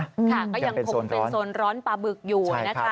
ค่ะก็ยังคงเป็นโซนร้อนปลาบึกอยู่นะคะ